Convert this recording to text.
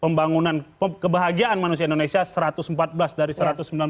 pembangunan kebahagiaan manusia indonesia satu ratus empat belas dari seratus orang indonesia ini